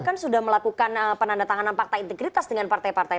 kan sudah melakukan penandatanganan fakta integritas dengan partai partai